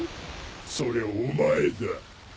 そりゃお前だ。